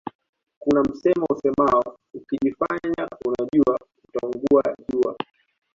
Kuna msemo usemao ukijifanya unajua utaungua jua